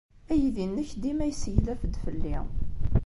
Aydi-nnek dima yesseglaf-d fell-i.